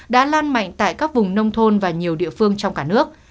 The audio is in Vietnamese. đã lan mạnh tại các vùng nông thôn và nhiều địa phương trong cả nước